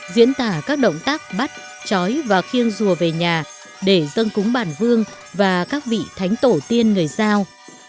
diễn tả các động tác bắt chói và khiêng rùa về nhà để dâng cúng bàn vương và các vị thánh tổ tiên người giao